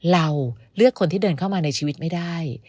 เราเลือกคนที่เดินเข้ามาในชีวิตไม่ได้